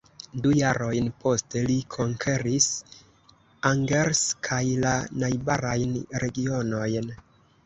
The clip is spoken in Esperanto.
Du jarojn poste, li konkeris Angers kaj la najbarajn regionojn.